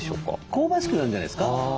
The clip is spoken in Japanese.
香ばしくなるんじゃないですか。